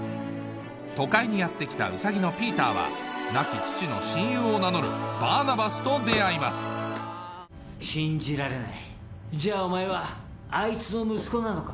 都会にやって来たウサギのピーターは亡き父の親友を名乗るバーナバスと出会います信じられないじゃあお前はあいつの息子なのか。